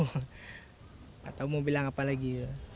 gak tahu mau bilang apa lagi